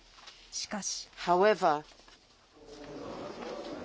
しかし。